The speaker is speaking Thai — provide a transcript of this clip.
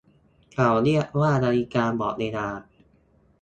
เขาเรียกว่านาฬิกาบอกเวลา